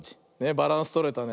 バランスとれたね。